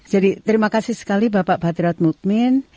jadi terima kasih sekali bapak bhattirath muthmin